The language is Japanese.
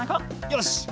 よし。